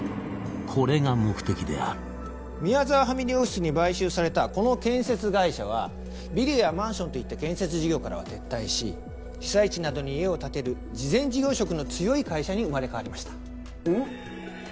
これが目的である宮沢ファミリーオフィスに買収されたこの建設会社はビルやマンションといった建設事業からは撤退し被災地などに家を建てる慈善事業色の強い会社に生まれ変わりましたん？